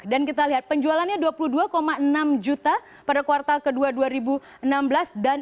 dan kita lihat penjualannya dua puluh dua enam juta pada kuartal kedua dua ribu enam belas